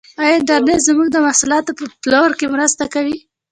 آیا انټرنیټ زما د محصولاتو په پلور کې مرسته کوي؟